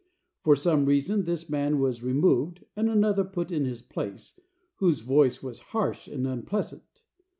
For some reason this man was removed and another put in his place, whose voice was harsh and unpleasant.